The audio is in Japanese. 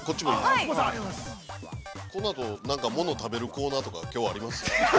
このあと、なんかものを食べるコーナーとか、きょうあります？